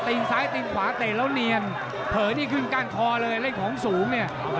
ตีนทางซ้ายตีนขวาเตะแล้วเนียนเผยนที่ขึ้นกาลคอเลยเล่นของสูง